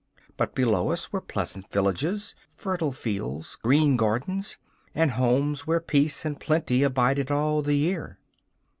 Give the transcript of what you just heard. But below us were pleasant villages, fertile fields, green gardens, and homes where peace and plenty abided all the year.